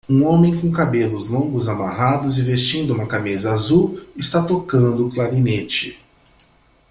Um homem com cabelos longos amarrados e vestindo uma camisa azul está tocando clarinete.